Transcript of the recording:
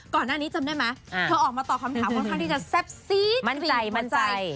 ก่อนหน้านี้จำได้ไหมเธอออกมาตอบคำถามค่อนข้างที่จะแซ่บซีดมั่นใจ